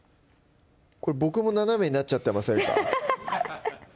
これ僕も斜めになっちゃってませんか？